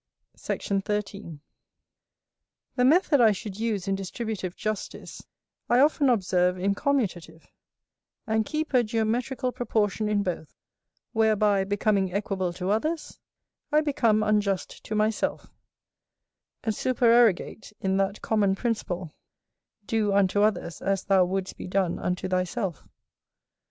Sect. 13. The method I should use in distributive justice, I often observe in commutative; and keep a geometrical proportion in both, whereby becoming equable to others, I become unjust to myself, and supererogate in that common principle, "Do unto others as thou wouldst be done unto thyself."